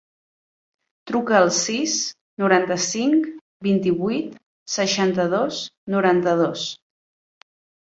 Truca al sis, noranta-cinc, vint-i-vuit, seixanta-dos, noranta-dos.